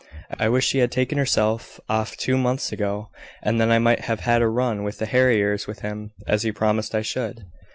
I wish she had taken herself off two months ago, and then I might have had a run with the harriers with him, as he promised I should."